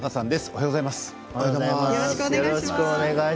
おはようございます。